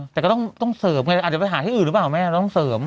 แต่ก็ต้องเซอร์มไหมอาจจะไปหาอย่างอื่นหรือเปล่าต้องเซอร์ม